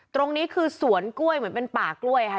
ตรงนี้คือสวนกล้วยเหมือนเป็นป่ากล้วยค่ะ